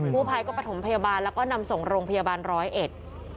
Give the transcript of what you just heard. ผู้ภัยก็ประถมพยาบาลแล้วก็นำส่งโรงพยาบาลร้อยเอ็ด